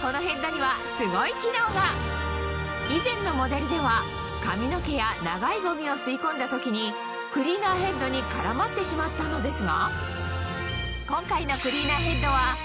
このヘッドには以前のモデルでは髪の毛や長いゴミを吸い込んだ時にクリーナーヘッドに絡まってしまったのですがその秘密は？